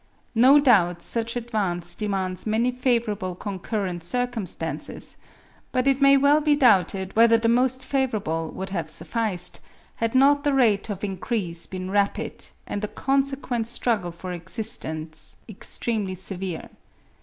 No doubt such advance demands many favourable concurrent circumstances; but it may well be doubted whether the most favourable would have sufficed, had not the rate of increase been rapid, and the consequent struggle for existence extremely severe.